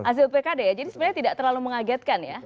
hasil pkd ya jadi sebenarnya tidak terlalu mengagetkan ya